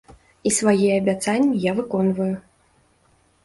І свае абяцанні я выконваю.